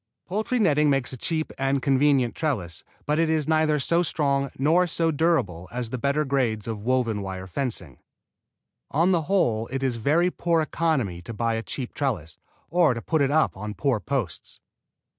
Poultry netting makes a cheap and convenient trellis, but it is neither so strong nor so durable as the better grades of woven wire fencing. On the whole it is very poor economy to buy a cheap trellis or to put it up on poor posts.